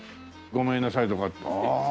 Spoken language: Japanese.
「ごめんなさい」とかああ。